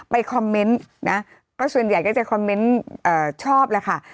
คอมเมนต์นะก็ส่วนใหญ่ก็จะคอมเมนต์ชอบแหละค่ะ